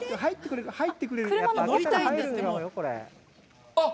入ってくれる、あっ。